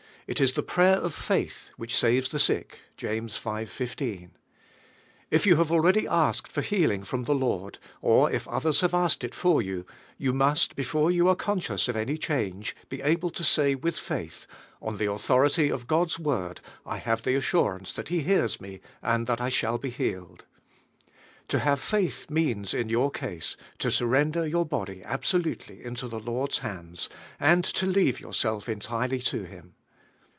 !i is "the prayer of fa i til " which saves tin' sick (.Tampa v. 15). If yon have already asked for healing from the l,n ]'il, or if others have asked it tor you, you must, before you are conscious at any change, be able to say with t'uiili, "On the authority of God's Word 1 have hi' assurance i iiai 1 b' hears toe anil that I shall be healed." To have faith means in your ease, to surrender your body ab solutely into the Lord's hands, and to leave yourself entirely to Him.